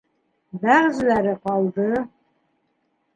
Бәғзеләре ҡалды.